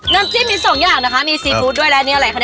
น้ำจิ้มมี๒อย่างนะคะมีซีฟู้ดด้วยแล้วอันนี้อะไรคะเนี่ย